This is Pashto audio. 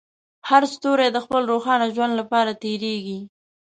هر ستوری د خپل روښانه ژوند لپاره تېرېږي.